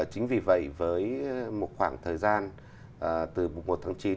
chính vì vậy với một khoảng thời gian từ một tháng chín